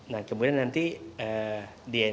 nah kemudian nanti dna nya keluar